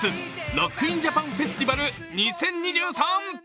ＲＯＣＫＩＮＪＡＰＡＮＦＥＳＴＩＶＡＬ２０２３。